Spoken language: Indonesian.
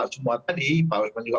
semua tadi pak wikman juga